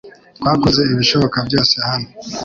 Twakoze ibishoboka byose hano .